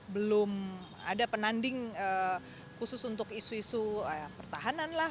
belum ada penanding khusus untuk isu isu pertahanan lah